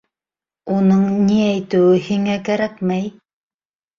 — Уның ни әйтеүе һиңә кәрәкмәй.